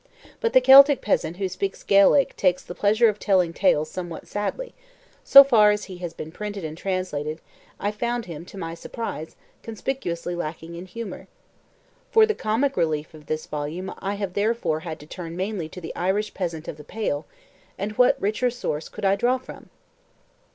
But the Celtic peasant who speaks Gaelic takes the pleasure of telling tales somewhat sadly: so far as he has been printed and translated, I found him, to my surprise, conspicuously lacking in humour. For the comic relief of this volume I have therefore had to turn mainly to the Irish peasant of the Pale; and what richer source could I draw from?